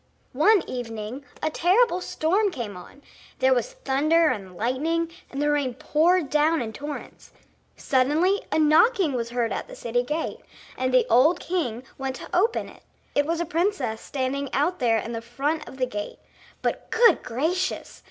One evening a terrible storm came on; there was thunder and lightning, and the rain poured down in torrents. Suddenly a knocking was heard at the city gate, and the old king went to open it. It was a princess standing out there in front of the gate. But, good gracious!